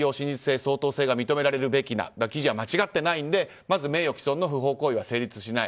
相当性が認められるべきだ記事は間違っていないのでまず名誉毀損の不法行為は成立しない